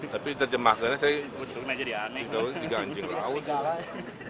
tapi terjemahkan saya juga anjing laut